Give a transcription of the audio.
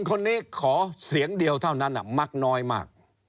คนนี้ขอเสียงเดียวเท่านั้นมักน้อยมาก